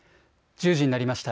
１０時になりました。